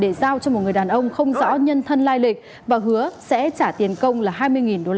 để giao cho một người đàn ông không rõ nhân thân lai lịch và hứa sẽ trả tiền công là hai mươi usd